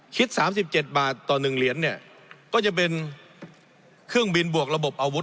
๓๗บาทต่อ๑เหรียญเนี่ยก็จะเป็นเครื่องบินบวกระบบอาวุธ